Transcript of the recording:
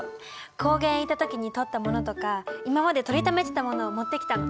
高原へ行った時に撮ったものとか今まで撮りためてたものをもってきたの。